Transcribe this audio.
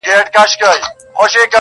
ځئ چي باطل پسي د عدل زولنې و باسو,